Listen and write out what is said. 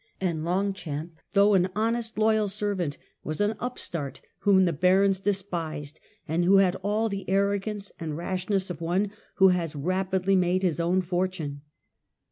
And Longchamp, though an honest, loyal servant, was an upstart whom the barons despised, and who had all the arrogance and rashness of one who has rapidly made his own fortune.